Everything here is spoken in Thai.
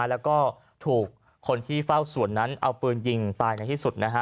แล้วก็ถูกคนที่เฝ้าสวนนั้นเอาปืนยิงตายในที่สุดนะฮะ